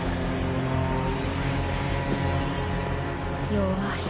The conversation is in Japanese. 弱い。